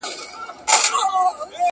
تدريس د مضمون تدريس دی.